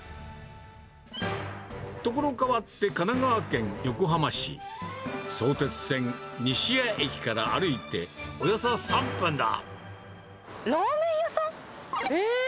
ところ変わって、神奈川県横浜市。相鉄線西谷駅から歩いておよそ３分だ。